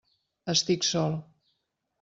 Estic sol.